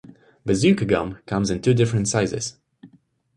Bazooka gum comes in two different sizes.